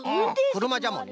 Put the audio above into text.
くるまじゃもんね。